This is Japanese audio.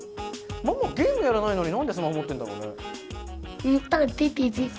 ママゲームやらないのになんでスマホ持ってんだろうね？